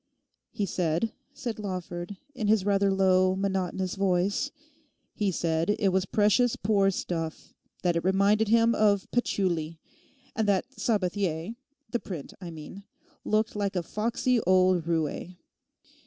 'He said,' said Lawford, in his rather low, monotonous voice, 'he said it was precious poor stuff, that it reminded him of patchouli; and that Sabathier—the print I mean—looked like a foxy old roué.